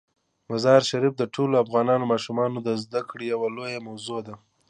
مزارشریف د ټولو افغان ماشومانو د زده کړې یوه لویه موضوع ده.